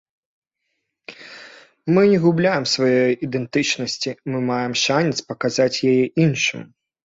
Мы не губляем сваёй ідэнтычнасці, мы маем шанец паказаць яе іншым.